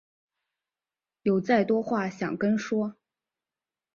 有再多话想跟说